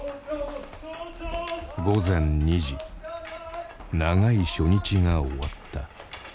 午前２時長い初日が終わった。